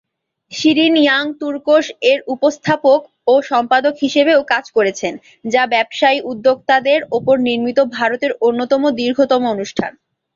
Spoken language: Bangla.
শিরীন "ইয়াং তুর্কস"এর উপস্থাপক ও সম্পাদক হিসেবেও কাজ করেছেন, যা ব্যবসায়ী উদ্যোক্তাদের উপর নির্মিত ভারতের অন্যতম দীর্ঘতম অনুষ্ঠান।